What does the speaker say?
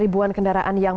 buan kendaraan yang